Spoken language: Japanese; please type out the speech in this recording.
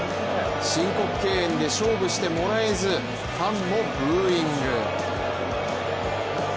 申告敬遠で勝負してもらえず、ファンもブーイング。